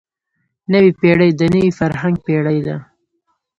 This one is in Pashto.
نوې پېړۍ د نوي فرهنګ پېړۍ ده.